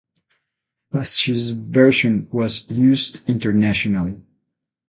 Pasche’s version was used internationally.